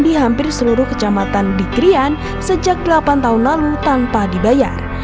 di hampir seluruh kecamatan di krian sejak delapan tahun lalu tanpa dibayar